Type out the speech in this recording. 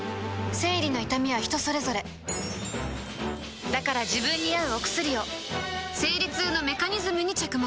生理の痛みは人それぞれだから自分に合うお薬を生理痛のメカニズムに着目